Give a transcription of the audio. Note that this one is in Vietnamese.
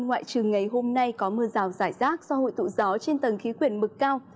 ngoại trừ ngày hôm nay có mưa rào rải rác do hội tụ gió trên tầng khí quyển mực cao